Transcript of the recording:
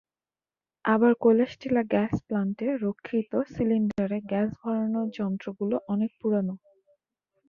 আবার কৈলাসটিলা গ্যাস প্লান্টে রক্ষিত সিলিন্ডারে গ্যাস ভরানোর যন্ত্রগুলো অনেক পুরোনো।